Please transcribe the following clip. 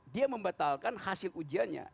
dia membatalkan hasil ujiannya